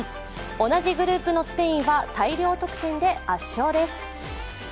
同じグループのスペインは大量得点で圧勝です。